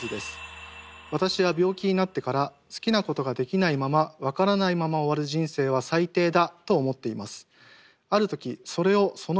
私は病気になってから好きなことができないままわからないまま終わる人生は最低だ！と思っています。